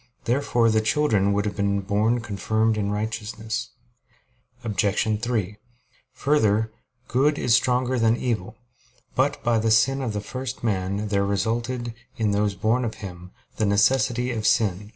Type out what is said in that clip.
Therefore the children would have been born confirmed in righteousness. Obj. 3: Further, good is stronger than evil. But by the sin of the first man there resulted, in those born of him, the necessity of sin.